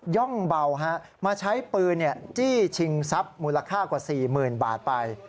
่องเบามาใช้ปืนจี้ชิงทรัพย์มูลค่ากว่า๔๐๐๐บาทไป